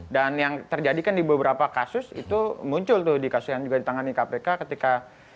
dan yang terjadikan di beberapa kasus itu muncul tuh di kasus yang juga ditangani kpk ketika